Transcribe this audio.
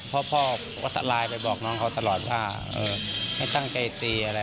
เพราะพ่อก็จะไลน์ไปบอกน้องเขาตลอดว่าเออไม่ตั้งใกล้ตีอะไร